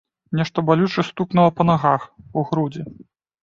Нешта балюча стукнула па нагах, у грудзі.